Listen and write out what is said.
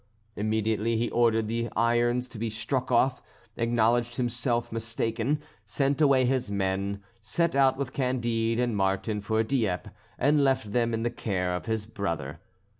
Immediately he ordered his irons to be struck off, acknowledged himself mistaken, sent away his men, set out with Candide and Martin for Dieppe, and left them in the care of his brother.